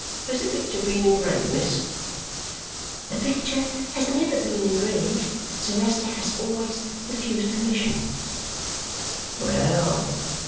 Has the picture been engraved, miss?" "The picture has never been engraved. Sir Leicester has always refused permission." "Well!"